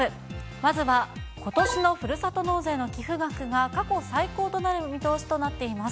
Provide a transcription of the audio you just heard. まずは、ことしのふるさと納税の寄付額が、過去最高となる見通しとなっています。